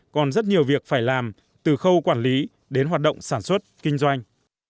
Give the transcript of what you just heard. còn rất nhiều việc phải làm từ khâu quản lý đến hoạt động sản xuất kinh doanh